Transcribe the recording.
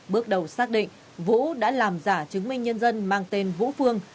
bước đầu xác định vũ đã làm giả chứng minh nhân dân mang tên vũ phương